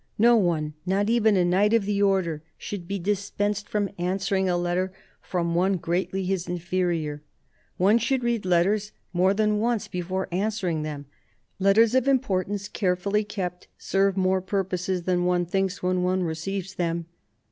No one, not even a Knight of the Order, should be dispensed from answering a letter from one greatly his inferior. ... One should read letters more than once before answering them. ... Letters of importance, carefully kept, serve more purposes than one thinks when one receives them.